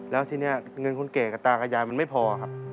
แล้วทีนี้เงินคนแก่กับตากับยายมันไม่พอครับ